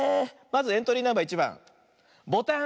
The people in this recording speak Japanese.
まずエントリーナンバー１ばんボタン。